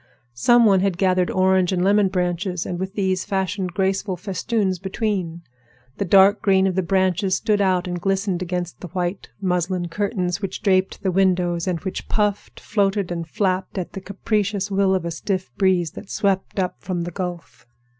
Some one had gathered orange and lemon branches, and with these fashioned graceful festoons between. The dark green of the branches stood out and glistened against the white muslin curtains which draped the windows, and which puffed, floated, and flapped at the capricious will of a stiff breeze that swept up from the Gulf.